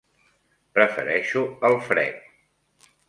Prefereixo el fred.